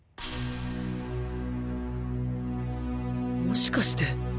もしかして。